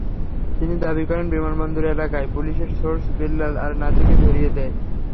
তিনি দাবি করেন, বিমানবন্দর এলাকায় পুলিশের সোর্স বিল্লাল তাঁর নাতিকে ধরিয়ে দেয়।